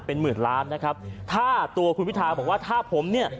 เป็นหมื่นล้านนะครับถ้าตัวคุณพิทาบอกว่าถ้าผมเนี่ย